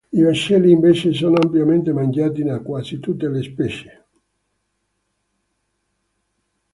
I baccelli, invece, sono ampiamente mangiati da quasi tutte le specie.